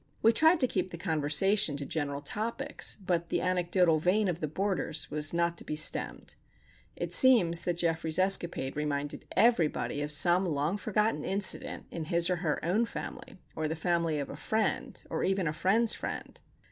We tried to keep the conversation to general topics, but the anecdotal vein of the boarders was not to be stemmed. It seems that Geoffrey's escapade reminded everybody of some long forgotten incident in his or her own family, or the family of a friend, or even a friend's friend.